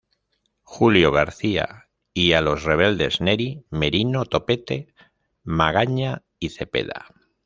Julio García y a los rebeldes Neri, Merino, Topete, Magaña y Zepeda.